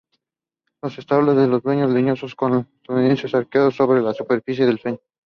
Los estolones son gruesos, leñosos, con largos entrenudos arqueados sobre la superficie del suelo.